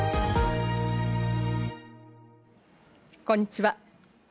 こんにちは。